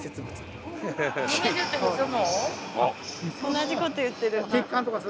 同じこと言ってる。